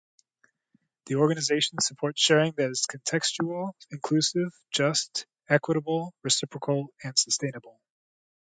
The organization supports sharing that is contextual, inclusive, just, equitable, reciprocal, and sustainable.